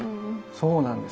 そうなんです。